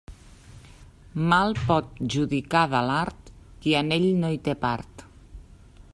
Mal pot judicar de l'art, qui en ell no hi té part.